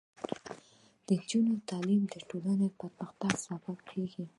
د نجونو تعلیم د ټولنې پرمختګ سبب ګرځي.